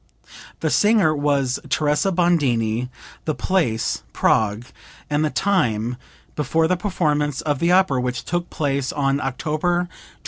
[The singer was Teresa Bondini, the place Prague, and the time before the first performance of the opera which took place on October 29, 1787.